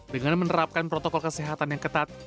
dengan menerapkan protokol kesehatan yang ketat